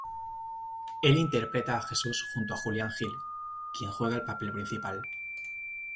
Él interpreta a Jesús junto a Julián Gil, quien juega el papel principal.